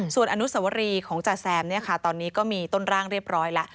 ส่วนอนุสวรีของจ๋าแซมตอนนี้ก็มีต้นร่างเรียบร้อยแล้ว